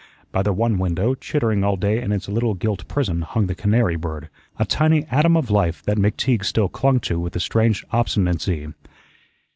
By the one window, chittering all day in its little gilt prison, hung the canary bird, a tiny atom of life that McTeague still clung to with a strange obstinacy.